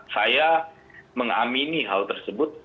saya mengamini hal tersebut